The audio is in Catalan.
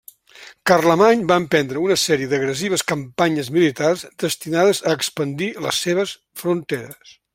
Carlemany va emprendre una sèrie d'agressives campanyes militars destinades a expandir les seues fronteres.